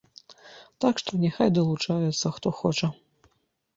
Так што няхай далучаюцца, хто хоча.